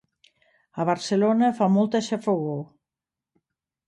A Barcelona fa molta xafogor.